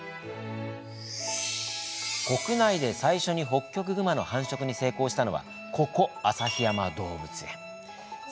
国内で最初にホッキョクグマの繁殖に成功したのはここ旭山動物園。